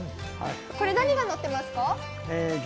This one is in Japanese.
これ、何がのってますか。